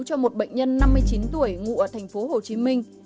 cho một bệnh nhân năm mươi chín tuổi ngụ ở thành phố hồ chí minh